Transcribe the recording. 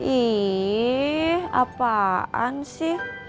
ih apaan sih